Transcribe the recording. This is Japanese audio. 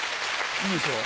いいでしょ？